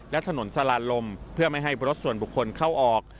และถนนสลานลมเพื่อไม่ให้รถส่วนบุคคลเข้าออก